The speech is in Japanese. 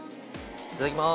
いただきます。